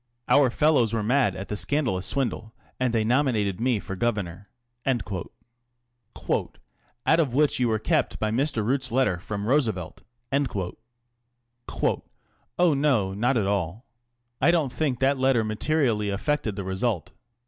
Our fellows were mad at that scandalous swindle, and they nominated me for Governor." " Out of which you were kept by Mr. Root's letter from Roosevelt ?" ┬ŻC Oh, no ; not at all. I don't think that letter materially affected the result.